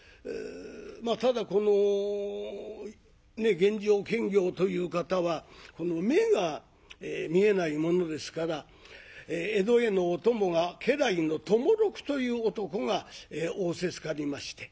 ただこの玄城検校という方は目が見えないものですから江戸へのお供が家来の友六という男が仰せつかりまして。